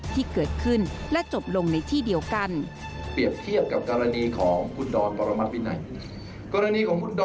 ที่เกิดขึ้นและจบลงในที่เดียวกัน